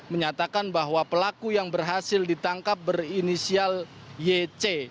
menyatakan bahwa pelaku yang berhasil ditangkap berinisial yc